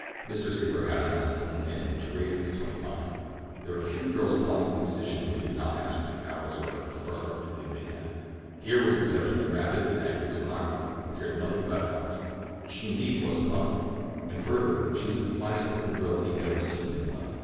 Mr. Stickler had it on his tongue's end to raise it to twenty five—there were few girls applying for positions who did not ask about the hours at the first opportunity they had. Here was an exceptionally rapid and accurate stenographer who cared nothing about hours—she was indeed a find; and further, she was the finest looking girl be had ever seen in his life.